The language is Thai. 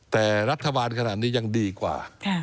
แต่รัฐบาลขนาดนี้ยังดีกว่า